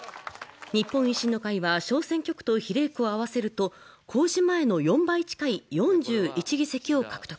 日本維新の会は小選挙区と比例区を合わせると公示前の４倍近い４１議席を獲得。